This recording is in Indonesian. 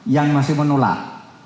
yang masih menolak